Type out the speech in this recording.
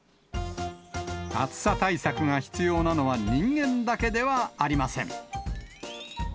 暑さ対策が必要なのは人間だけではありません。